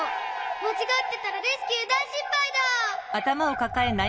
まちがってたらレスキュー大しっぱいだ！